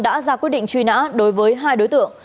đã ra quyết định truy nã đối với hai đối tượng